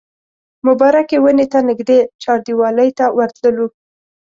مبارکې ونې ته نږدې چاردیوالۍ ته ورتللو.